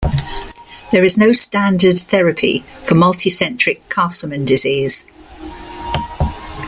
There is no standard therapy for multicentric Castleman disease.